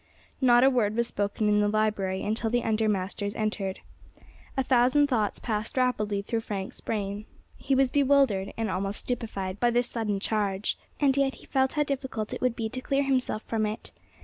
Not a word was spoken in the library until the under masters entered. A thousand thoughts passed rapidly through Frank's brain. He was bewildered, and almost stupefied by this sudden charge, and yet he felt how difficult it would be to clear himself from it.